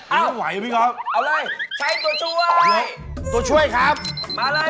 อ้าวเอาเลยใช้ตัวช่วยตัวช่วยครับมาเลย